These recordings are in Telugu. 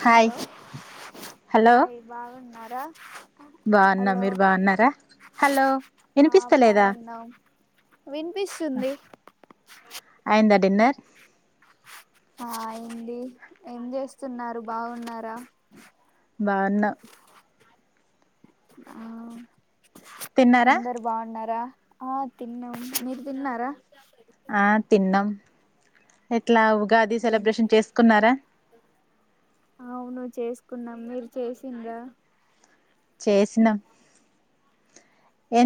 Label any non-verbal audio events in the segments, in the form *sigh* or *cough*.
హాయ్ హలో హలో హాయ్ బాగున్నారా బాగున్నా హలో మీరు బాగున్నారా హలో ఆ వినిపిస్తలేదా బాగున్నాం. వినిపిస్తుంది. అయిందా డిన్నర్ ఆ అయింది ఏం చేస్తున్నారు బాగున్నారా బాగున్నం ఆవు తిన్నారా అందరు బాగున్నారా ఆ తిన్నాము మీరు తిన్నారా ఆ తిన్నాం ఎట్లా ఉగాది అది ఏం సెలబ్రేషన్ చేసుకున్నారా అవును చేసుకున్నాం మీరు చేసింరా చేసినా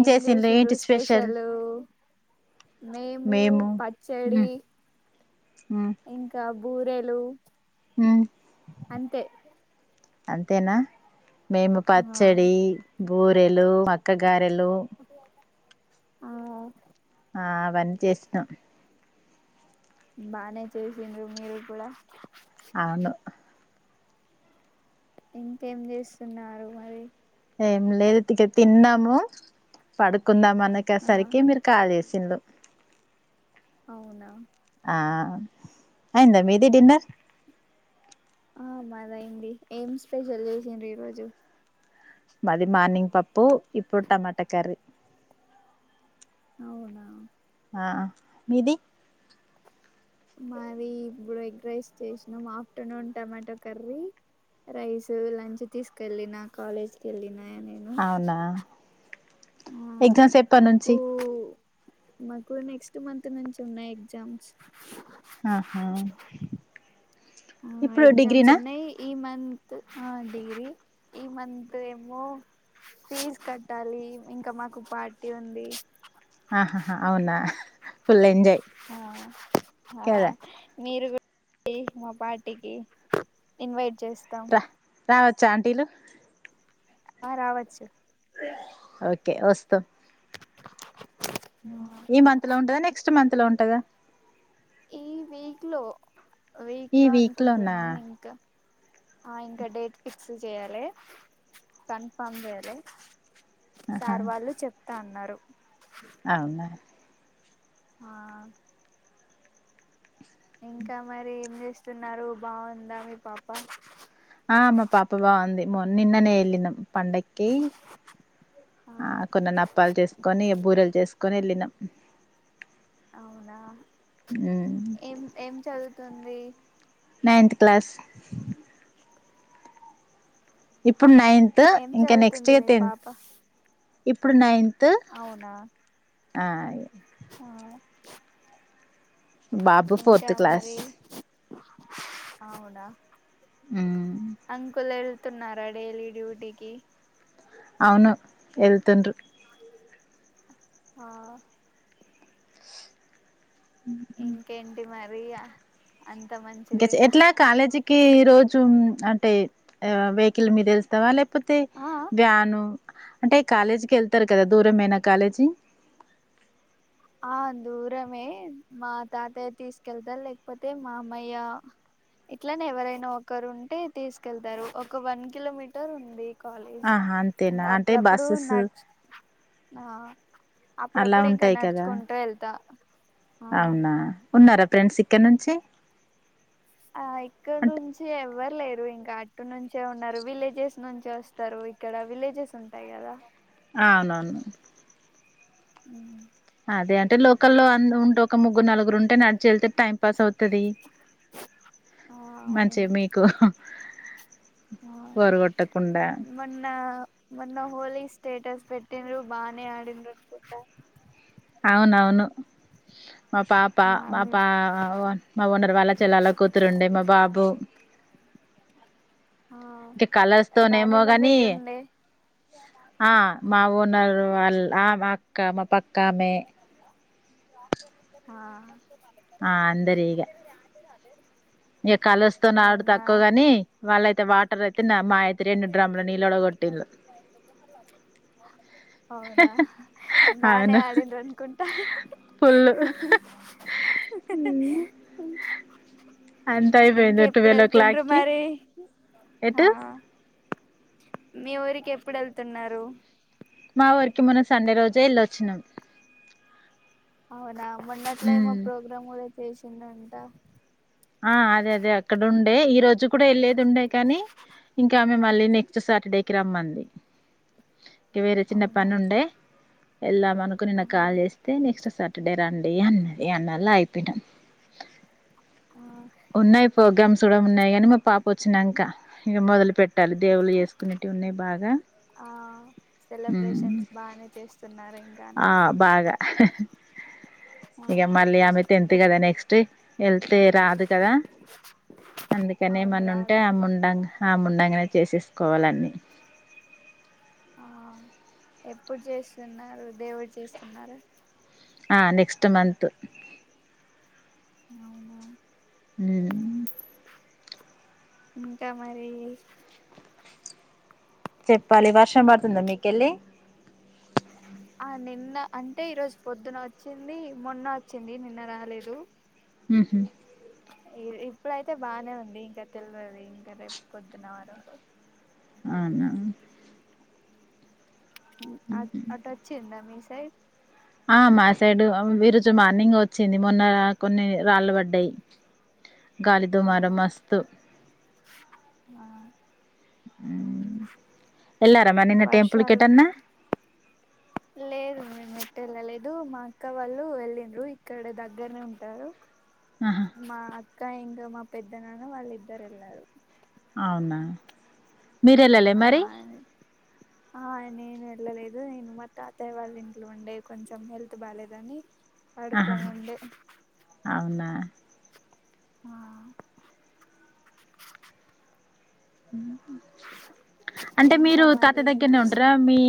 ఏం చేసిండ్రు స్పెషల్ స్పెషలు మేము పచ్చడి మ్మ్ మ్మ్ ఇంకా బూరెలు హ్ అంతే అంతేనా మేము ఆ పచ్చడి బూరెలు మక్కగారే రేలు ఆ ఆ అవన్నీ చేసినాం బానే చేసిండ్రు మీరు కూడా అవును ఇంకేం చేస్తున్నారు మరి ఏం లేదు ఇక తిన్నాము పడు కుందాం మనకే ఆ సరికి మీరు కాల్ చేసిరు. సిండ్రు అవునా ఆ అయిందా మీది డిన్నర్ ఆ మదయింది. ఎమ్ స్పెషల్ చేసిండ్రు ఈ రోజు మాది మార్నింగ్ పప్పు ఇప్పుడు టమాటా కర్రీ అవునా ఆ మీది మారి ఇప్పుడు ఎగ్ రైస్ చేసినాం. Afternoon tomato curry rice lunch తీసుకెళ్ళిన కాలేజ్కి ఏళ్ళిన అవునా ఆ ఎగ్జామ్స్ మాకు ఎప్పటినుంచి మాకు నెక్స్ట్ మంత్ నుంచి ఉన్నాయి. ఎగ్జామ్స్ ఆహా ఆ ఇప్పుడు ఎగ్జామ్స్ డిగ్రీనా ఉన్నాయి. ఈ మంత్ త్ డిగ్రీ ఈ మంత్ ఏమో ఫీజ్ కట్టాలి ఇంకా మాకు పార్టీ ఉంది. ఆహాహా అవునా ఫుల్ ఎంజాయ్ ఆ ఆ కదా మీరు మా పార్టీకి ఇన్వైట్ చేస్తాం రా రావచ్చా ఆంటీలు ఆ రావచ్చు ఓకే వస్తాం ఈ మంత్ లో ఉంటదా నెక్స్ట్ మంత్ లో ఉంటదా ఈ వీక్ లో వీక్ ఈ లో లోనా అనుకుంటున్నాం ఇంకా ఆ ఇంకా డేట్ ఫిక్స్ జేయాలె కన్ఫామ్ జేయాలె సార్ వాళ్ళు చెప్ అన్నారు అవున ఆ ఇంకా మరి ఎం జేస్ స్తున్నారు బాగుందా మీ పాప మో నిన్ననే ఎలినం పండక్కి ఆ కొన్ని నప్పాలు చేసుకొని బూరెలు చేస్ కొని ఎళ్ళినం అవునా ఉమ్, ఏం ఏం చదువు తుంది నైన్త్ క్లాస్ ఇప్పు ఇప్పుడు నైన్త్ ఏం ఇంకా నెక్స్ట్ చదువుతుంది ఇగ మీ టెన్త్ పాప ఇప్పుడు నైన్ అవునా ఆయ్ ఆ బాబు ఇంకా ఫోర్త్ క్లాస్ మరి అవునా మ్మ్ అంకుల్ ఏడు తున్నార డేలి డ్యూటీ కి అవును ఎళ్తుండ్రు ఆ ఇంకేంటి మరి ఇగ ఇంక చే ఎట్లా కాలేజ్ కీ రోజు అంటే ఆ వెహికిల్ మీద ఎల్తావా లేపో పోతే ఆ ఆ వ్యాను అంటే కాలేజీకి ఎళ్తార్ కదా దూరమేన కాలేజీ ఆ దూరమే మా తాతయ్య తీసుకెళ్తారు లేకపోతే మామ్మయ్య ఇట్లనే ఎవరైనా ఒకరుంటే తీసుకెళ్తారు ఒక వన్ కిలోమీటర్ ఉంది. కాలేజ్ ఆహా అంతేనా ఇంకా అంటే అప్పుడప్పుడు బస్సెస్ నచ్ ఆ అలా అప్పుడప్పుడు ఇంకా ఉంటాయి నడ్ కదా చ్చుకుంటా వెళ్తా ఆ ఉన్నరా ఫ్రెండ్స్ ఇక్కడ నుంచి ఆ ఇక్కడ్ అంటే నుంచి ఎవ్వరు లేరు ఇంకా ఇటు నుంచే ఉన్నారు విలేజెస్ నుంచి వస్తారు ఇక్కడ విలేజెస్ ఉంటాయి కదా అవునవును హ్మ్ అదే అంటే లోకల్లో అంద్ ఉంట్ ఒక్ ఒక ముగ్గురు నలుగురు ఉంటే నడిచి వెళ్తే టైం పాస్ అవుతది ఆ మంచిగా అవును మీకు. బోరుగొట్టకుండా మొన్న మొన్న హోలీ స్టేటస్ పెట్టిండ్రు బానే ఆడిండ్రు అనుకుంట అవునవును మా పాప ఆ మా మీ పా మా ఓనర్ వాళ్ళ చెల్లల వాళ్ళ కూతురుండే మా బాబు. ఆ ఇంకా కలర్స్ తోనే బానే ఏమో మంది గాని ఉండే ఆ మా ఓనర్ వల్ ఆ అక్క మా పక్కమే ఆ ఇ కలస్త నా ఆడు అవునా తక్కువ గాని వాళ్ళయితే వాటర్ అయితే న అవునా బానేే అవును ఆడిండ్రనుకుంట ఫుల్ అంత ఇంక అయిపోయింది ఎప్పుడు ట్వెల్వ్ ఓ వెళ్తుండ్రు క్లాక్ కి మరి ఆ ఎటు మీ ఊరికి ఎప్పుడు వెళ్తున్నారు. మా ఊరికి మొన్న సండే రోజే వెళ్ళొచ్చినాం అవునా మొన్నట్ల ఏమో ఉమ్ ప్రోగ్రామ్ కూడ చేసిందంటాహా ఆ అదే అదే అక్కడ ఉండే ఈ రోజు కూడా వెళ్లేది ఉండే కానీ ఇంక మిమ్మల్ని నెక్స్ట్ శాటర్డే కి రమ్మంది వేరే చిన్న అవునా పని ఉండే వెళ్ళామనుకుని నిన్న ఆ కాల్ చేస్తే నెక్స్ట్ శాటర్డే డ రండి అన్న ఎన్నల అయిపోయింది ఆ ఉన్నాయి ప్రోగ్రాం చూడ ఉన్నాయి అని మా పాప వచ్చినాక ఇంక మొదలు పెట్టి తల్లిదేవులు చేసుకునేటివి ఉన్నాయి బాగా ఆ సెలబ్రేషన్స్ బానే చేస్తున్నారు ఇంకా అన్ని బాగా ఇక మళ్ళీ ఆమె టెన్త్ కదా నెక్స్ట్ వెళ్తే రాదు కదా అందుకని అవును ఏమన్నా ఉంటే రాదు అమ్ముండంగా ఆమె ఉండంగానే చేసేసుకోవాలన్నీ ఆ ఎప్పుడు చేస్తున్నారు దేవుడు చేస్తున్నారు ఆ నెక్స్ట్ మంత్ అవునా హుమ్మ్ ఇంకా మరి చెప్పాలి వర్షం పడుతుందా మీకెళ్ళి ఆ నిన్న అంటే ఈరోజు పొద్దున వచ్చింది మొన్న వచ్చింది నిన్న రాలేదు ఉహూ ఇప్పుడైతే బానే ఉంది ఇంక తెలియదు ఇంకా రేపు పొద్దున వారు అవునా అటు వచ్చిందా మీ సైడ్ ఆ మా సైడ్ ఈ రోజు మార్నింగ్ వచ్చింది మొన్న కొన్ని రాళ్ళు పడ్డాయి ఆ గాలిదుమార మస్తు ఆ ఎల్లారా మరి నిన్న టెంపుల్ వర్షాలు కెటన్నా లేదు మేము వెళ్ళలేదు మా అక్క వాళ్ళు వెళ్ళిండ్రు ఇక్కడ దగ్గరనే ఉంటారు ఆహా మా అక్క ఇంక మా పెద్ద నాన్న వాళ్ళిద్దరు వెళ్ళారు అవునా మీరు వెళ్ళలే ఆ మరి ఆ నేను వెళ్ళలేదు నేను మ తాతయ్య వాళ్ళ ఇంట్లో ఉండే కొంచెం హెల్త్ బాగాలేదని ఆహాా ఉ ఆ హ అంటే ఇంకా మీరు మరి తాతయ ఏం దగ్గరనే ఉండరాా చేస్తున్నా మీ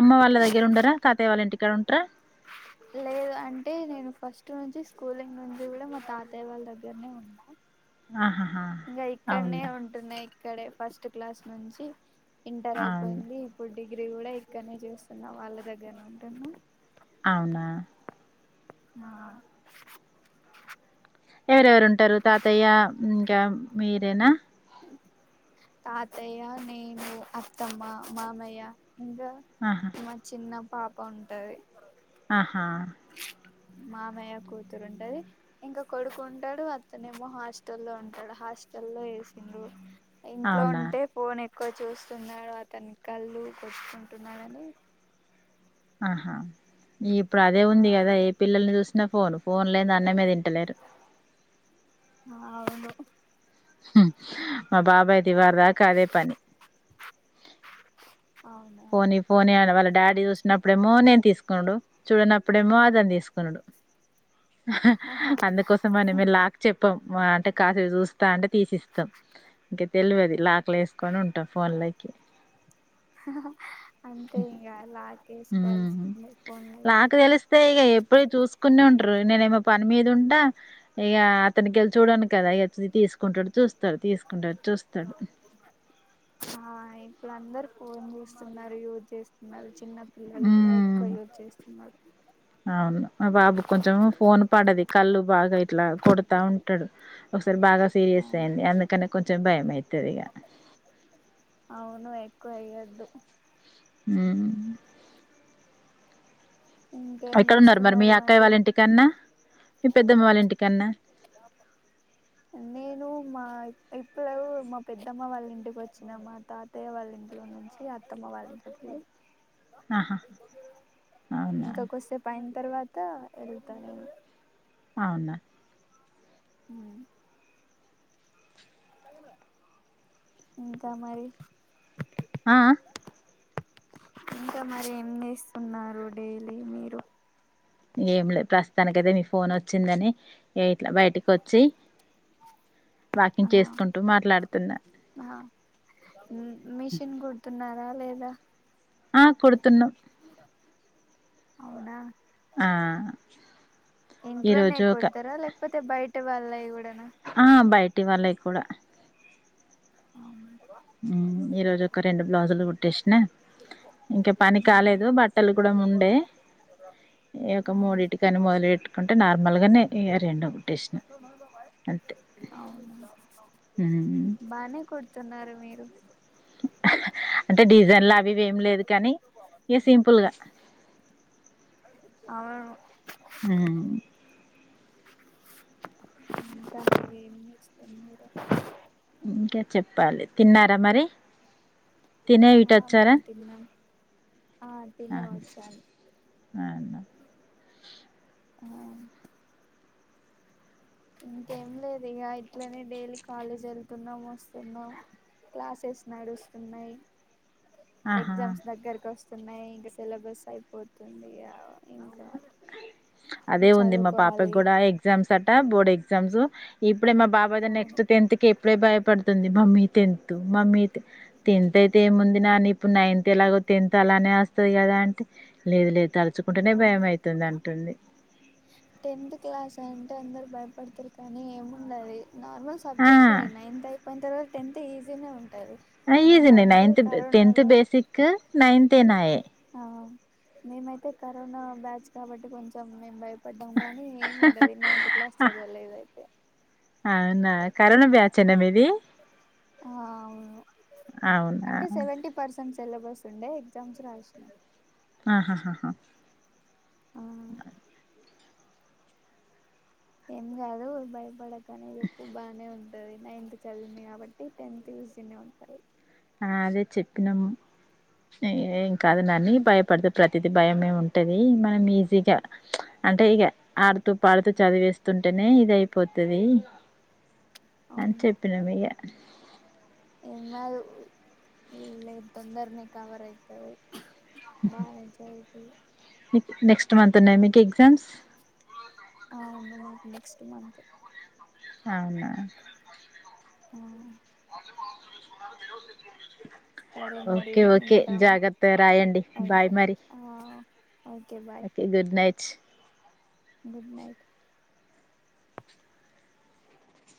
అమ్మ వాళ్ళ దగ్గర ఉండరాా తాతయ వాళ్ళ ఇంటి ఎక్కడ ఉంటార లేదు అంటే నేను ఫస్ట్ నుంచి స్కూలింగ్ నుంచి కూడా మా తాతయ్య వాళ్ళ దగ్గరనే ఉన్నాం ఆహాహా ఇంకా ఇక్కడనే అవునా ఉంటున్నాయి ఇక్కడే ఫస్ట్ క్లాస్ నుంచి ఇంటర్ అవును అయిపోయింది ఇప్పుడు డిగ్రీ కూడా ఇక్కనే చూస్తున్నా వాళ్ళ దగ్గరనే ఉంటున్నా అవునా ఆ ఎవరెవరు ఉంటారు తాతయ్య ఇంకా మీరేనా తాతయ్య నేను అత్తమ్మ మామయ్య ఇంగా ఆహా! మ చిన్న పాప ఉంటది ఆహా మామయ్య కూతురుంటది ఇంకా కొడుకు ఉంటాడు అతనే ఏమో హాస్టల్ల్లో ఉంటాడు హాస్టల్లో వేసిండ్రు ఇంట్లో అవునా? ఉంటే ఫోన్ ఎక్ ఎక్కవ చూస్తున్నాడు అతని కళ్లు కొట్టుకుంటున్నాడుని ఆహా ఈ ఇప్పుడు అదే ఆ ఉంది కదా ఏ పిల్లల్ని చూస్త నా ఫోను ఫోన్ లేని అన్నమే తింటలేరు ఆ అవును మా బాబాయ్ దివార దాకా అదే పని అవునా ఫోని ఫోన్ ఆన వాళ్ డాడీ చూసినప్పుడేమో నేను తీసుకునుడు చూడనప్పుడేమో అతను తీసుకునుడు అందుకోసం మని మీ లాక్ చెప్ప తప్ప అంటే కాసలు చూస్తా అంటే తీసిస్తాం ఇంకా తెలివి అది లాక్లు వేసుకొని ఉంటాం ఫోన్లోకి అంతే ఇంకా హ్మ్ లాకేసుకోవాల్సిందే ఫోన్ లోకి నాకు తెలిస్తే ఇగ ఎప్పుడు చూసుకునే ఉంటరు. నేనేమో పని మీద ఉంటా ఇక అతనికిెళ్ళి చూడను కదాద తీసుకుంటాడు చూస్త డు తీసుకుంటడు చూస్తాడు ఇప్పుడు అందరు ఫోన్ చూస్తున్నారు యూజ్ చేస్తున్నారు చిన్న పిల్లలు కూడా హుమ్మ్ ఎక్కువ యూజ్ చేస్తున్నారు అవును మా బాబు కొంచెం ఫోన్ పడది కళ్ళు బాగా ఇట్లా కొడతా ఉంటాడు ఒకసారి బాగా సీరియస్ అయింది అందుకని కొంచెం భయం అయితది ఇక ఒద్దు హుమ్మ్ ఇంకేం ఎక్కడ ఉన్నారు మరి మీ చేస్తున్నారు అక్కాయ్య వాళ్ళ ఇంటికడ్న మీ పెద్దమ్మ వాళ్ళ ఇంటికడ్న నేను మా ఇప్పుడు మా పెద్దమ్మ వాళ్ళ ఇంటికి వచ్చిన మా తాతయ్య వాళ్ళ ఇంట్లో నుంచి అత్తమ్మ వాళ్ళ ఇంటికి ఆహా అ ఇంక వస్తే పైన తర్వాత వెళ్తా నేను అవున హుమ్ ఇంకా మరి ఆఅ ఇంకా మరి ఏం చేస్తున్నారు డైలీ మీరు ఏం లేదు ప్రస్తుతానినకైతే నీ ఫోన్ వచ్చిందని ఇట్లా బయటికి వచ్చి ఆ ఆ మిషన్ కుడుతున్నారా రాలేదా ఆ కుడుతున్నా అవునా ఆ ఇంట్లోనే ఈరోజు ఒక కుడతారా లేకపోతే బయట ఇంటి వాళ్ళయి కూడాన ఆ బయటి వాళ్ళవి కూడా *inaudible* హుమ్మ్ ఈ రోజు ఒక రెండు బ్లౌజులు కు న ఇంక పని ఆ కాలేదు బట్టలు కూడ ఉండే యొక ఆ మూడిటికి మొదలుపెట్టుకుంటే నాలుగు మలగనే ఇగ రెండును అవును బానే కుడుతున్నారు మీరు *unintelligible* హ హ అంటే డిజైన్లు అవి ఇవి ఏమి లేదు కానీ ఇక సింపుల్గా అవును అంటన్న ఇస్తున్నారు *unintelligible* ఇంక చెప్పాలి తిన్నారా మరి తినే ఆ ఇటొచ్చారా మేము తిన్నాం ఆ తినే అ వచ్చాను అన్న *unintelligible* ఆ *unintelligible* ఇంకేం లేదు ఇక ఇట్లనే డైలీ కాలేజ్ వెళ్తున్నాం వస్తున్నాం క్లాసెస్ నడుస్తున్నాయి ఆహా ఎగ్జామ్స్ దగ్గరకు వస్తా స్తున్నాయి ఇంకా సిలబస్ అయిపోతుంది ఇంకా అదే ఉంది మా పాపకి చదువుకోవాలి కూడా ఎగ్జామ్స్ అట బోర్డ్ ఎగ్ ఎగ్జామ్స్ ఈ అప్పుే మా బాబా అవును నెస్ట్ టెన్త్కి *unintelligible* అప్పుడే భయపడుతుంది mummy tenth mummy tenth tenth అయితే ఏముంది నాని ఇప్పుడు నైన్త్ ఎలాగో టెన్త్ అలానే వస్తది కదా అంటే లేదు లేదు తలుచుకుంటేనే భయం అయితుంది అంటుంది టెన్త్ క్లాస్ అంటే అందరు భయపడతారు కానీ ఏముండది నార్మల్ ఆ సబ్జెక్టుసే నైన్త్ అయిపోయిన తర్వాత టెన్త్ ఈజీనే ఉంటది ఆ ఈజినె నైన్త్ టెన్త్ బేసిక్ నైన్తే నాఎ ఆ మేమైతే కరోనా బ్యాచ్ కాబట్టి కొంచెం మేమ్ బ పడ్డం గానీ ఏం ఉండది నైన్త్ క్లాస్ చదవలేదయితే చ్ న మీది అవును అవునా అంటే సెవెంటీ పర్సెంట్ సిలబస్ ఉండే ఎగ్జామ్స్ రాసిన ఆహా హా హా ఆ ఎమ్ గాదు బయబడక్ కానీ రిప్పు బాగానే ఉ *inaudible* నైన్త్ చదివింది కాబట్టి టెన్త్ ఈసీ నే ఉంటాయి ఆ అదే చెప్పినమ్ ఏం కాదు నాని భయపడితే ప్రతిదీ భయమే ఉంటుంది. మనం ఈజీగా అంటే ఇగ ఆడుతూ పాడుతూ చదివేస్తుంటేనే ఇది అయిపోతది. అని అవును చెేప్పినవయ్య ఇ మా ఇ తొందరనె కవర్ అయితది *inaudible* బానై చదువుపో ఇగ *unintelligible* నెక్స్ట్ మంత్ ఉన్నాయ మీకు ఎగ్జామ్స్ అవును మాకు నెక్స్ట్ మంత్ అవునా ఆ సరే వో మరి ఓకే ఓకే ఉంటాం జాగ్రత్త రాయండి బాయ్ ఓకే మరి ఆ ఓకే గుడ్ నైట్ వో గుడ్ నైట్